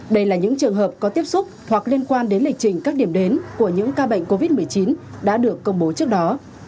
đây là những trường hợp có tiếp xúc hoặc liên quan đến lịch trình các điểm đến của những ca bệnh covid một mươi chín đã được công bố trước đó